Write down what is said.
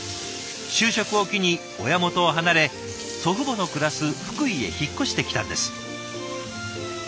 就職を機に親元を離れ祖父母の暮らす福井へ引っ越してきたんです。